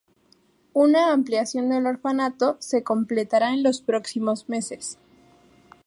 Una ampliación del orfanato se completará en los próximos meses.